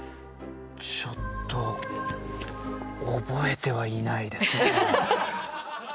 ちょっと覚えてはいないですね。